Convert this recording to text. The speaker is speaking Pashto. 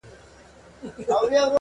غوړه مړۍ مي د خورکۍ ترستوني نه رسیږي -